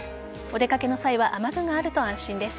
お出かけの際は雨具があると安心です。